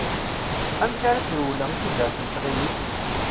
Amek ara as-rewleɣ i tudert n tɣimit?